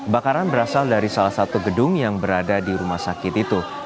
bakaran berasal dari salah satu gedung yang berada di rumah sakit itu